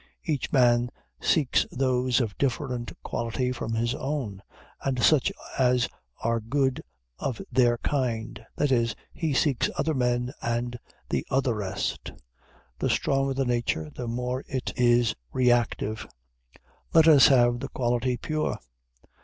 Each man seeks those of different quality from his own, and such as are good of their kind; that is, he seeks other men, and the otherest. The stronger the nature, the more it is reactive. Let us have the quality pure.